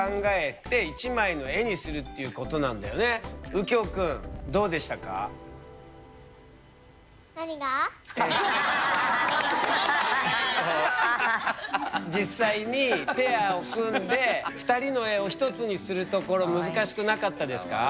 うきょうくんどうでしたか？実際にペアを組んで２人の絵を１つにするところ難しくなかったですか？